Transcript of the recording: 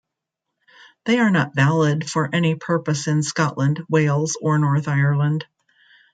They are not valid for any purpose in Scotland, Wales or Northern Ireland.